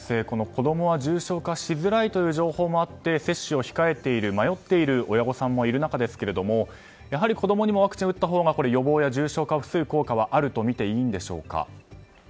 子供は重症化しづらいという情報もあって、接種を迷っている親御さんもいる中ですがやはり子供にもワクチンを打ったほうが予防や重症化を防ぐ効果はあるとみていいんでしょうか。